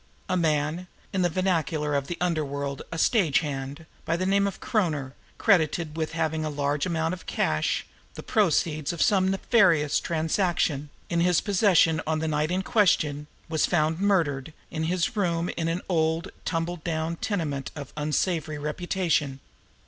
A man in the vernacular of the underworld a "stage hand" by the name of Kroner, credited with having a large amount of cash, the proceeds of some nefarious transaction, in his possession on the night in question, was found murdered in his room in an old and tumble down tenement of unsavory reputation.